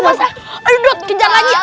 aduh dot kejar lagi